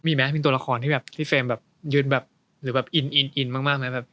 มีมั้ยมีตัวละครที่เฟมยืดแบบหรือแบบอินมากมั้ย